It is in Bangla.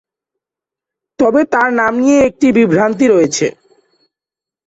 তবে তার নাম নিয়ে একটি বিভ্রান্তি রয়েছে।